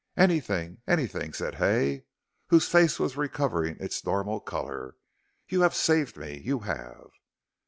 "Anything anything," said Hay, whose face was recovering its normal color. "You have saved me you have."